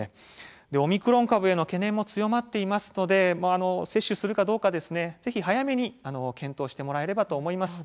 オミクロン株への懸念も強まっていますので接種するかどうかぜひ早めに検討してもらえればと思います。